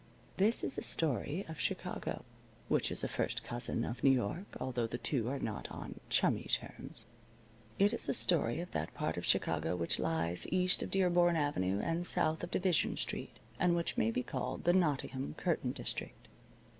This is a story of Chicago, which is a first cousin of New York, although the two are not on chummy terms. It is a story of that part of Chicago which lies east of Dearborn Avenue and south of Division Street, and which may be called the Nottingham curtain district.